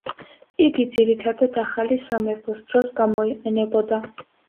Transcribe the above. იგი ძირითადად ახალი სამეფოს დროს გამოიყენებოდა.